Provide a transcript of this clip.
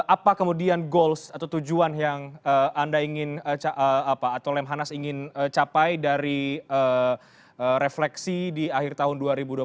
apa kemudian goals atau tujuan yang anda ingin atau lemhanas ingin capai dari refleksi di akhir tahun dua ribu dua puluh satu